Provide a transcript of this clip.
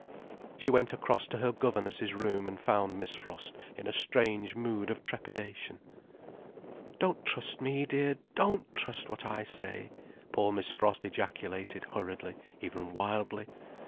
She went across to her governess's room, and found Miss Frost in a strange mood of trepidation. "Don't trust me, dear, don't trust what I say," poor Miss Frost ejaculated hurriedly, even wildly.